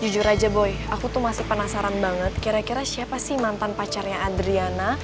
jujur aja boy aku tuh masih penasaran banget kira kira siapa sih mantan pacarnya adriana